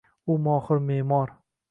U mohir me’mor —